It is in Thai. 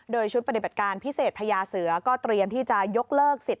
โดยชุดปฏิบัติการพิเศษพญาเสือก็เตรียมที่จะยกเลิกสิทธิ